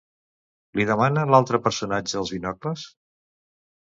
Li demana l'altre personatge els binocles?